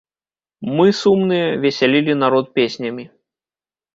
Мы, сумныя, весялілі народ песнямі.